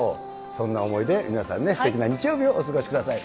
そんな思いで、みなさんすてきな日曜日をお過ごしください。